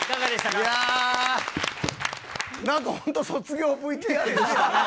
いやー、なんか本当、卒業ＶＴＲでしたね。